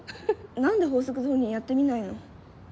何で法則通りにやってみないの？